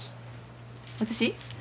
私？